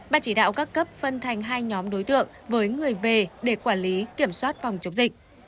ban chỉ đạo các cấp phân thành hai nhóm đối tượng với người về để quản lý kiểm soát phòng chống dịch